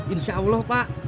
insya allah pak